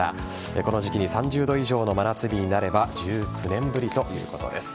この時期に３０度以上の真夏日になれば１９年ぶりということです。